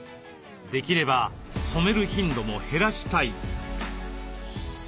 できれば染める頻度も減らしたい。